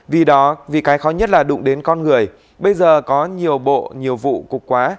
vì đó vì cái khó nhất là đụng đến con người bây giờ có nhiều bộ nhiều vụ cục quá